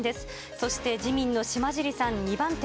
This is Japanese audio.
そして自民の島尻さん、２番手。